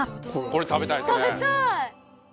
これ食べたいですね食べたい！